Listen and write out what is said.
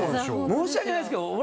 申し訳ないですけど俺